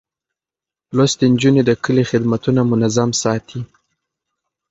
لوستې نجونې د کلي خدمتونه منظم ساتي.